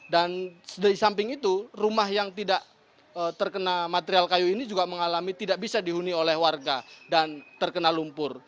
dan dari samping itu rumah yang tidak terkena material kayu ini juga mengalami tidak bisa dihuni oleh warga dan terkena lumpur